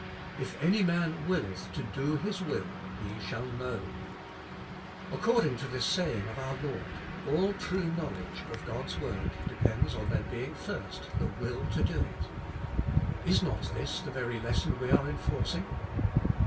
"If any man willeth TO Do His Will, he shall Know." Ac Doing and Knowing 47 cording to this saying of our Lord, all true knowl edge of God^s word depends upon there being first THE Will to Do It. Is not this the very lesson we are enforcing.